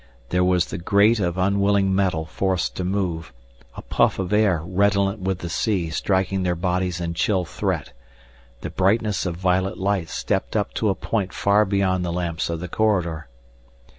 There was the grate of unwilling metal forced to move, a puff of air redolent with the sea striking their bodies in chill threat, the brightness of violet light stepped up to a point far beyond the lamps in the corridor.